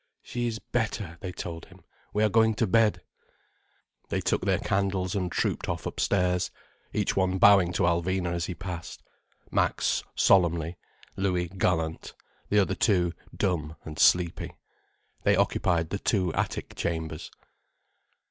"She is better," they told him. "We are going to bed." They took their candles and trooped off upstairs, each one bowing to Alvina as he passed. Max solemnly, Louis gallant, the other two dumb and sleepy. They occupied the two attic chambers.